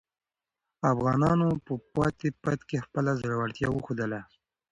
افغانانو په پاني پت کې خپله زړورتیا وښودله.